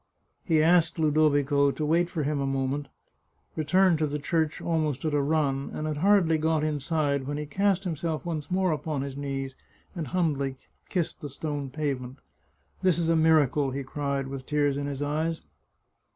He asked 2i6 The Chartreuse of Parma Ludovico to wait for him a moment, returned to the church almost at a run, and had hardly got inside when he cast himself once more upon his knees and humbly kissed the stone pavement. " This is a miracle," he cried, with tears in his eyes.